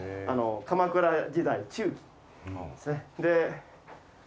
鎌倉時代中期ですね。